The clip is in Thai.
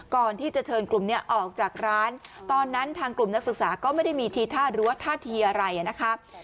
ก่อนที่จะเชิญกลุ่มนี้ออกจากร้านตอนนั้นทางกลุ่มนักศึกษาก็ไม่ได้มีทีท่าหรือว่าท่าทีอะไรนะครับ